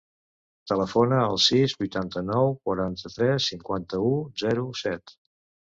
Telefona al sis, vuitanta-nou, quaranta-tres, cinquanta-u, zero, set.